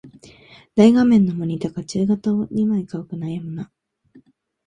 大画面のモニタか中型を二枚買うか悩むな